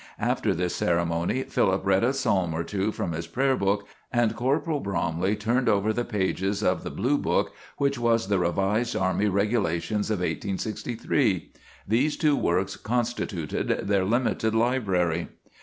After this ceremony, Philip read a psalm or two from his prayer book, and Corporal Bromley turned over the pages of the Blue Book, which was the Revised Army Regulations of 1863. These two works constituted their limited library.